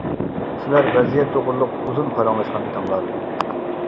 سىلەر ۋەزىيەت توغرىلىق ئۇزۇن پاراڭلاشقان ئىدىڭلار.